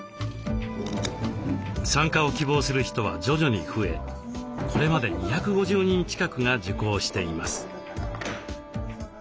参加を希望する人は徐々に増えこれまで２５０人近くが受講しています。